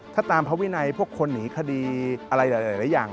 ถ้าตามพระวินัยพวกคนหนีคดีอะไรหลายอย่าง